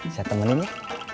saya temen ini